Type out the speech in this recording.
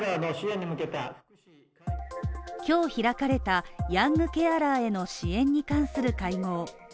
今日、開かれたヤングケアラーへの支援に関する会合。